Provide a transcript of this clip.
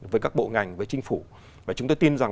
với các bộ ngành với chính phủ và chúng tôi tin rằng